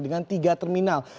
dengan tiga terminal